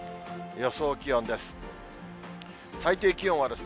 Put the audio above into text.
予想気温です。